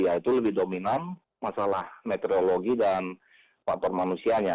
yaitu lebih dominan masalah meteorologi dan faktor manusianya